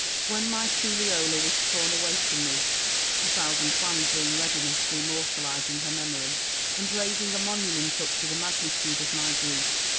When my Tulliola was torn away from me, a thousand plans were in readiness for immortalising her memory, and raising a monument up to the magnitude of my grief.